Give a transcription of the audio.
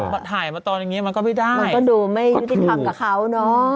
มาถ่ายมาตอนอย่างนี้มันก็ไม่ได้มันก็ดูไม่ยุติธรรมกับเขาเนอะ